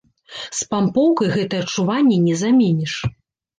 Спампоўкай гэтыя адчуванні не заменіш!